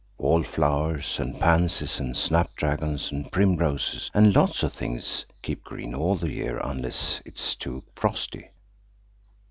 Wallflowers and pansies and snapdragons and primroses, and lots of things, keep green all the year unless it's too frosty.